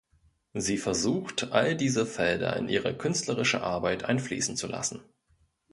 Sie versucht, all diese Felder in ihre künstlerische Arbeit einfließen zu lassen.